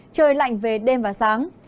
trời lạnh về đêm và sáng